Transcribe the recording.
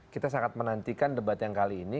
kita sangat menantikan debat yang kali ini